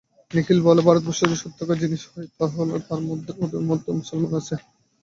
নিখিল বলে, ভারতবর্ষ যদি সত্যকার জিনিস হয় তা হলে ওর মধ্যে মুসলমান আছে।